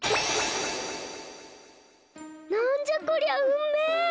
なんじゃこりゃ⁉うめえ！